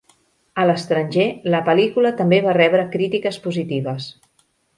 A l'estranger, la pel·lícula també va rebre crítiques positives.